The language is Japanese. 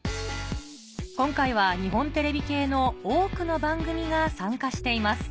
今回は日本テレビ系の多くの番組が参加しています